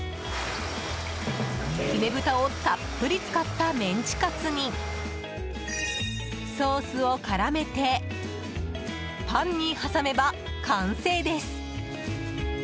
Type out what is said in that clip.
姫豚をたっぷり使ったメンチカツにソースを絡めてパンに挟めば完成です。